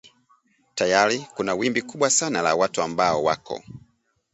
Tayari kuna wimbi kubwa sana la watu ambao wako